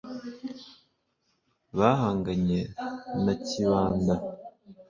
bahanganye na kibanda.